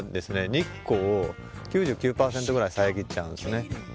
日光を９９％ぐらい遮っちゃうんですね。